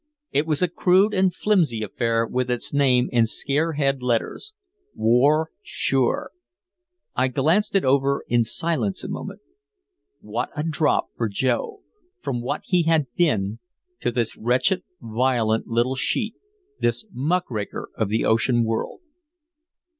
It was a crude and flimsy affair, with its name, in scarehead letters, "WAR SURE." I glanced it over in silence a moment. What a drop for Joe, from what he had been, to this wretched violent little sheet, this muckraker of the ocean world.